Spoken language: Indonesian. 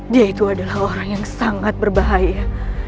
dia itu adalah orang yang sangat berbahaya